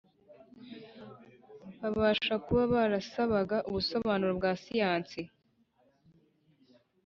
. Babasha kuba barasabaga ubusobanuro bwa siyansi